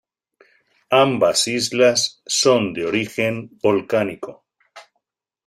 Ambas islas son de origen volcánico.